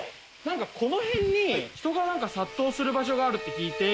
この辺に人が殺到する場所があるって聞いて。